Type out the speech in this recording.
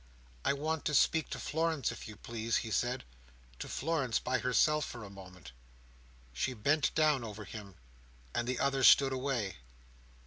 "I want to speak to Florence, if you please," he said. "To Florence by herself, for a moment!" She bent down over him, and the others stood away.